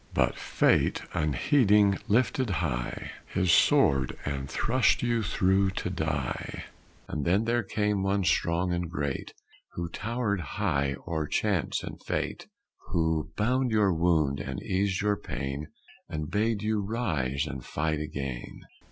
But Fate, unheeding, lifted high His sword, and thrust you through to die, And then there came one strong and great, Who towered high o'er Chance and Fate, Who bound your wound and eased your pain And bade you rise and fight again.